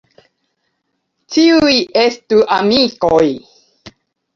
Ĉiuj estu amikoj.